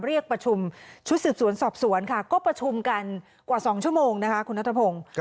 เรียกประชุมชุดสืบสวนสอบสวนค่ะก็ประชุมกันกว่า๒ชั่วโมงนะคะคุณนัทพงศ์